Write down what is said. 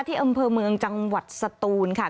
อำเภอเมืองจังหวัดสตูนค่ะ